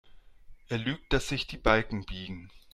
Er lügt, dass sich die Balken biegen.